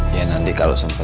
iya nanti kalau sempet